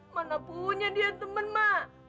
manapunnya dia temen ma